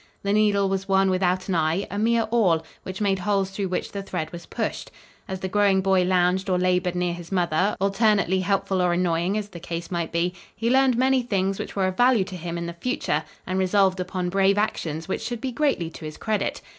The needle was one without an eye, a mere awl, which made holes through which the thread was pushed. As the growing boy lounged or labored near his mother, alternately helpful or annoying, as the case might be, he learned many things which were of value to him in the future, and resolved upon brave actions which should be greatly to his credit.